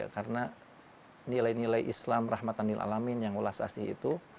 karena nilai nilai islam rahmatanil alamin yang ulas asli itu